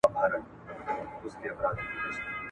ملکي وګړي د ډیرو بهرنیو سفارتونو خدمتونه نه لري.